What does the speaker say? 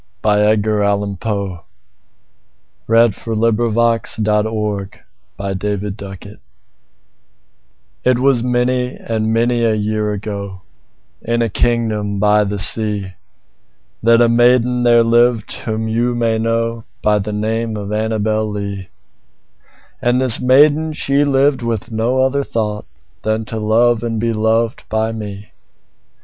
1912. Edgar Allan Poe 1809–1849 Edgar Allan Poe 89 Annabel Lee IT was many and many a year ago, In a kingdom by the sea, That a maiden there lived whom you may knowBy the name of Annabel Lee; And this maiden she lived with no other thoughtThan to love and be loved by me.